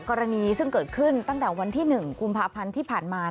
กรณีซึ่งเกิดขึ้นตั้งแต่วันที่๑กุมภาพันธ์ที่ผ่านมา